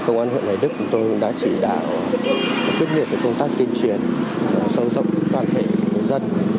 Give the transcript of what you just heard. công an huyện đức đã chỉ đạo quyết định công tác tiên truyền sâu rộng toàn thể dân